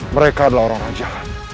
mereka adalah orang raja